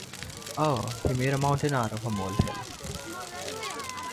Oh, he made a mountain out of a mole-hill.